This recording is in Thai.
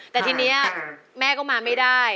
แต่ทีนี้แม่ก็มาไม่ได้